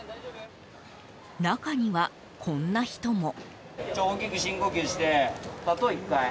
中には、こんな人も。